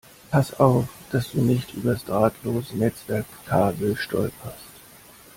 Pass auf, dass du nicht übers Drahtlosnetzwerk-Kabel stolperst!